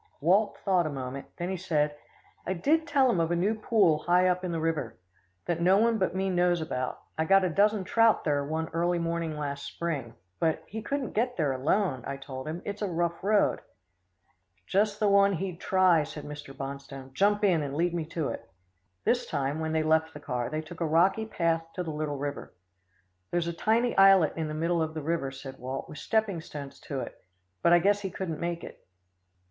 Walt thought a moment; then he said, "I did tell him of a new pool high up in the river, that no one but me knows about. I got a dozen trout there one early morning last spring; but he couldn't get there alone, I told him. It's a rough road." "Just the one he'd try," said Mr. Bonstone. "Jump in, and lead me to it." This time, when they left the car, they took a rocky path to the little river. "There's a tiny islet in the middle of the river," said Walt, "with stepping stones to it, but I guess he couldn't make it."